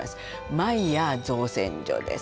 マイヤー造船所です